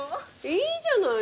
いいじゃない。